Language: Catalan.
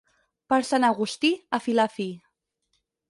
Per Sant Agustí, a filar fi.